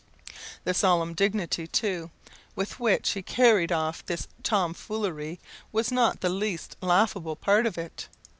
The solemn dignity, too, with which he carried off this tomfoolery was not the least laughable part of it.